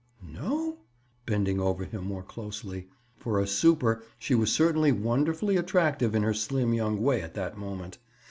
"No?" Bending over him more closely. For a "super," she was certainly wonderfully attractive in her slim young way at that moment.